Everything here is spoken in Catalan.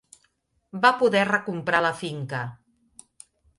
Va poder recomprar la finca.